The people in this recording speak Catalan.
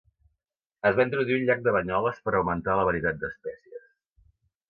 Es va introduir al llac de Banyoles per augmentar la varietat d’espècies.